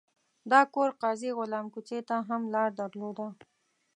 دا کور قاضي غلام کوڅې ته هم لار درلوده.